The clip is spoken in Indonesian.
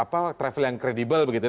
apa travel yang kredibel begitu